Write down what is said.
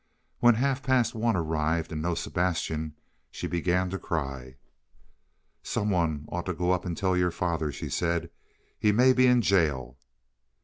When half past one arrived, and no Sebastian, she began to cry. "Some one ought to go up and tell your father," she said. "He may be in jail."